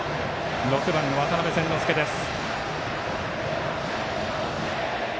６番の渡邉千之亮です。